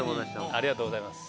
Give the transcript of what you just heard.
ありがとうございます。